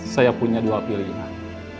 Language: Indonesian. saya punya dua pilihan